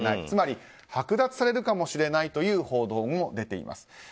つまり、剥奪されるかもしれないという報道も出ています。